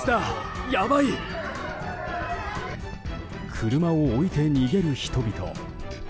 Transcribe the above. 車を置いて、逃げる人々。